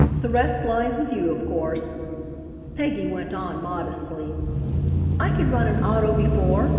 The rest lies with you, of course.'" Peggy went on modestly: "I could run an auto before.